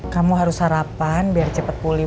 kamu harus sarapan biar cepat pulih